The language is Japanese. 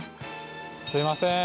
すみません。